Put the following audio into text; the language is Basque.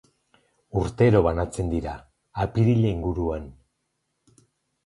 Urtero banatzen dira, apirila inguruan.